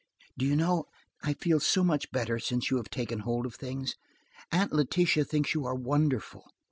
"Do you know, I feel so much better since you have taken hold of things. Aunt Letitia thinks you are wonderful."